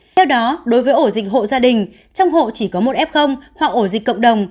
theo đó đối với ổ dịch hộ gia đình trong hộ chỉ có một f họ ổ dịch cộng đồng